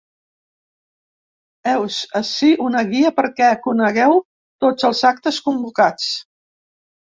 Heus ací una guia perquè conegueu tots els actes convocats.